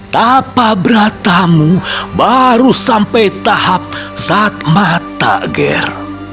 tapa beratamu baru sampai tahap saat mata ger